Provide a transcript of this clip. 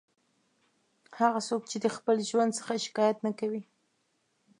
هغه څوک چې د خپل ژوند څخه شکایت نه کوي.